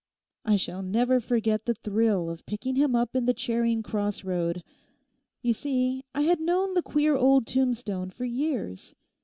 I shall never forget the thrill of picking him up in the Charing Cross Road. You see, I had known the queer old tombstone for years.